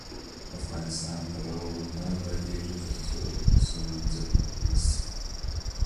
افغانستان تر هغو نه ابادیږي، ترڅو د پیسو مینځل بند نشي.